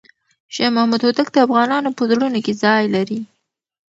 شاه محمود هوتک د افغانانو په زړونو کې ځای لري.